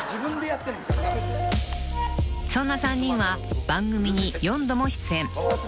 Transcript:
［そんな３人は番組に４度も出演］